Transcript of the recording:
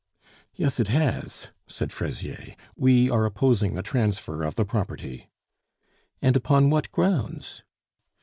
"Yes, it has," said Fraisier; "we are opposing the transfer of the property." "And upon what grounds?"